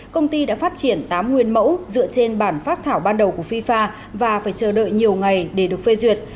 công ty đã phát triển tám nguyên mẫu dựa trên bản phát thảo ban đầu của fifa và phải chờ đợi nhiều ngày để được phê duyệt